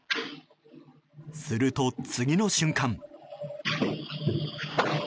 すると、次の瞬間。